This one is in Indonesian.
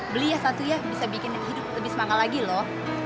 beli ya satu ya bisa bikin hidup lebih semangat lagi loh